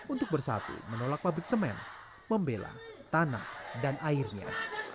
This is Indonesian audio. untuk bersatu menolak pabrik semen membela tanah dan airnya